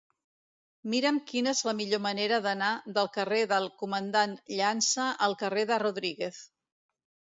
Mira'm quina és la millor manera d'anar del carrer del Comandant Llança al carrer de Rodríguez.